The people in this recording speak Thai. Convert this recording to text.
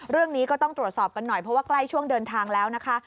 เรื่องนี้ก็ต้องตรวจสอบกันหน่อยเพราะว่าใกล้ช่วงเดินทางแล้วนะคะ